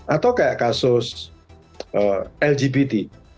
atau kayak kasus lgbt